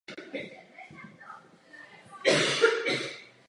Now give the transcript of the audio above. Videoklip byl natočen v New Yorku.